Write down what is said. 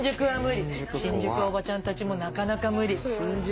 新宿はおばちゃんたちもなかなか無理。